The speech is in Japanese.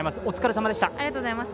お疲れさまでした。